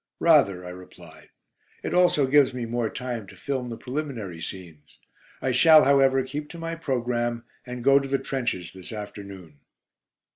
"Rather," I replied. "It also gives me more time to film the preliminary scenes. I shall, however, keep to my programme, and go to the trenches this afternoon."